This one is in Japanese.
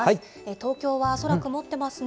東京は空曇ってますね。